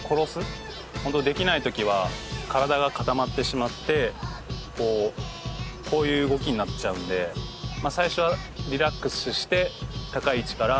ホントできないときは体が固まってしまってこういう動きになっちゃうんで最初はリラックスして高い位置から。